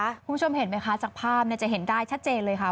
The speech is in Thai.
คุณผู้ชมเห็นไหมคะจากภาพจะเห็นได้ชัดเจนเลยค่ะ